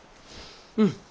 うん。